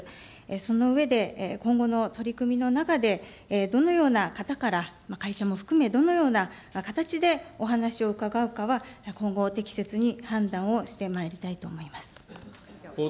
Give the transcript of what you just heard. その上で、今後の取り組みの中で、どのような方から会社も含め、どのような形でお話を伺うかは、今後、適切に判断をしてまいりたいと思います。